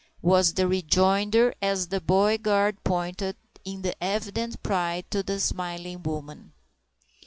was the rejoinder, as the "body guard" pointed, in evident pride, to the smiling woman.